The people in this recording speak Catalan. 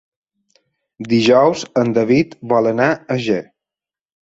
Dijous en David vol anar a Ger.